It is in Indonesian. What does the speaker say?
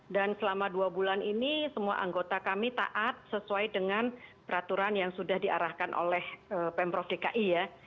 selama dua bulan ini semua anggota kami taat sesuai dengan peraturan yang sudah diarahkan oleh pemprov dki ya